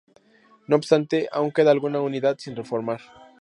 No obstante, aún queda alguna unidad sin reformar.